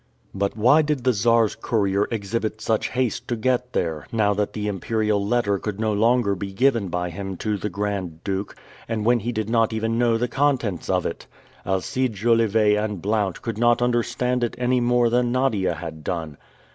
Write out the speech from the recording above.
But why did the Czar's courier exhibit such haste to get there, now that the Imperial letter could no longer be given by him to the Grand Duke, and when he did not even know the contents of it? Alcide Jolivet and Blount could not understand it any more than Nadia had done.